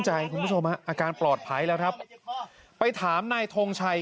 คุณผู้ชมฮะอาการปลอดภัยแล้วครับไปถามนายทงชัย